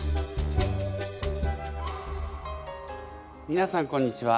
みなさんこんにちは。